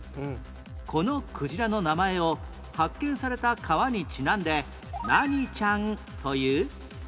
このクジラの名前を発見された川にちなんで何ちゃんという？